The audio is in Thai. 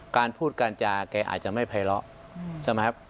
การพูดการจาแกอาจจะไม่ไพร้อใช่ไหมครับ